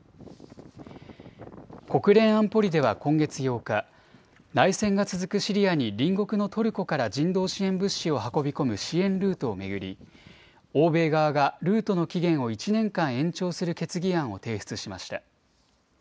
国連安保理では今月８日、内戦が続くシリアに隣国のトルコから人道支援物資を運び込む支援ルートを巡り欧米側がルートの期限を１年間延長する決議案を提出しました。